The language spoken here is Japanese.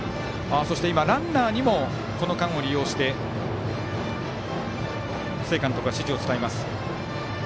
ランナーにもこの間を利用して須江監督からの指示を伝えました。